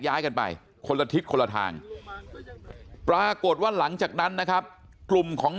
ย้ายกันไปคนละทิศคนละทางปรากฏว่าหลังจากนั้นนะครับกลุ่มของ